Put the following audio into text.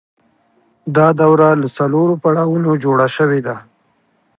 دا دوره له څلورو پړاوونو جوړه شوې ده